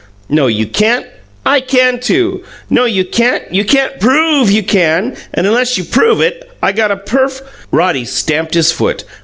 "No, you can't!" "I can, too!" "No, you can't. You can't PROVE you can, and unless you prove it, I got a perf " Roddy stamped his foot.